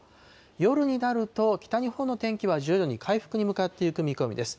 夜になると、北日本の天気は徐々に回復に向かっていく見込みです。